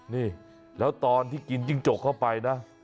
นี่แล้วตอนที่กินจิ้งจกเข้าไปนะ